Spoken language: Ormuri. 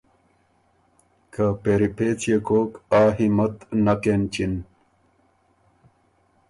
که پېری پېڅ يې کوک آ همت نک اېنچِن